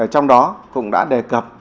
trong đó cũng đã đề cập